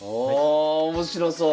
あ面白そう。